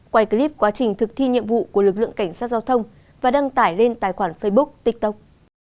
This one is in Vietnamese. quay clip quá trình thực thi nhiệm vụ của lực lượng cảnh sát giao thông và đăng tải lên tài khoản facebook tiktok